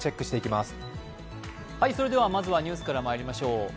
まずはニュースからまいりましょう。